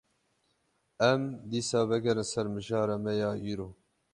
Em, dîsa vegerin ser mijara me ya îro